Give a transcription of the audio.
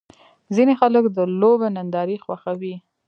ځینې خلک د لوبو نندارې خوښوي.